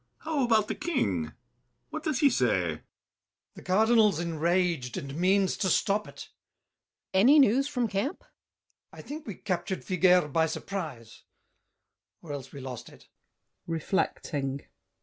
How about the King? What does he say? GASSÉ. The Cardinal's enraged And means to stop it. BOUCHAVANNES. Any news from camp? GASSÉ. I think we captured Figuère by surprise— Or else we lost it. [Reflecting.